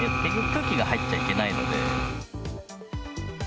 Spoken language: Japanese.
空気が入っちゃいけないので。